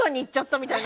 みたいな。